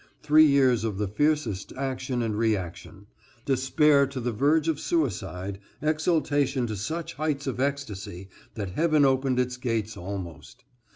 Three years of the fiercest action and reaction. Despair to the verge of suicide, exultation to such heights of ecstasy that Heaven opened its gates almost.